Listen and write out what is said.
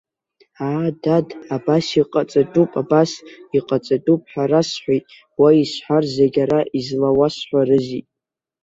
Аа, дад, абас иҟаҵатәуп, абас иҟаҵатәуп ҳәа расҳәеит, уа исҳәаз зегь ара излауасҳәарызи.